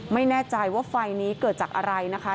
ไม่แน่ใจว่าไฟนี้เกิดจากอะไรนะคะ